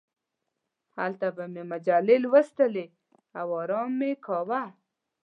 هلته به مې مجلې لوستلې او ارام مې کاوه.